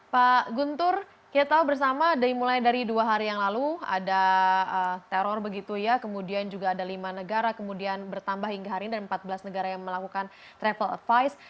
pak guntur kita tahu bersama mulai dari dua hari yang lalu ada teror begitu ya kemudian juga ada lima negara kemudian bertambah hingga hari ini dan empat belas negara yang melakukan travel advice